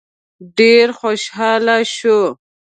ډېر خوشاله شو.